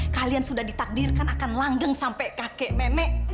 kalian sudah ditakdirkan akan langgeng sampai kakek nenek